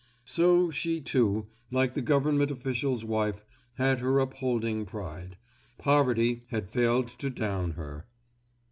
So she, too, like the Government official's wife, had her upholding pride. Poverty had failed to down her.